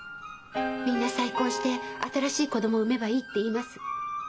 みんな「再婚して新しい子供を産めばいい」って言います。